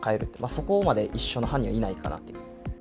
そこまで一緒の犯人はいないかなって。